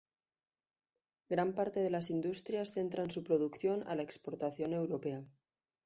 Gran parte de las industrias centran su producción a la exportación europea.